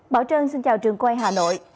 bảo trân xin chào trường quay hà nội